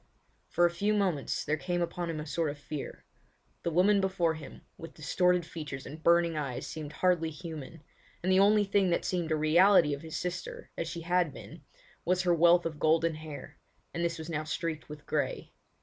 For a few moments there came upon him a sort of fear. The woman before him, with distorted features and burning eyes seemed hardly human, and the only thing that seemed a reality of his sister, as she had been, was her wealth of golden hair, and this was now streaked with grey.